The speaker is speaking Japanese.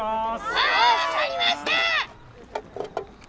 はい分かりました！